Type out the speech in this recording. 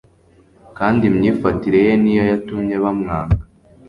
Kandi imyifatire ye niyo yatumye bamwanga?